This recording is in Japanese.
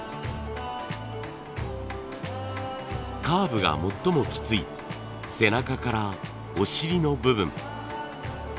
カーブが最もきつい背中からお尻の部分。